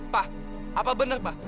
pa apa bener pa